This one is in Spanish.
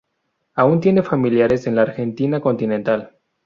Aún tiene familiares en la Argentina continental.